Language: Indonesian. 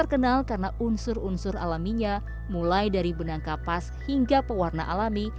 kan karena kita mau hidup dari budaya